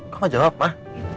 kau gak jawab pak